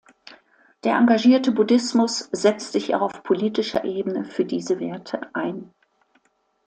Der Engagierte Buddhismus setzt sich auch auf politischer Ebene für diese Werte ein.